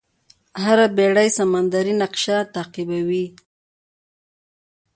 هره بېړۍ سمندري نقشه تعقیبوي.